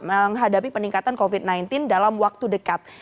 menghadapi peningkatan covid sembilan belas dalam waktu dekat